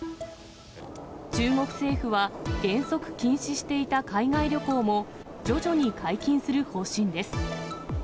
中国政府は、原則禁止していた海外旅行も、徐々に解禁する方針です。